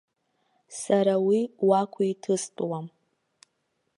Сара уи уақәиҭыстәуан.